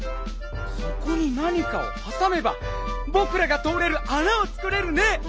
そこになにかをはさめばぼくらがとおれるあなをつくれるね！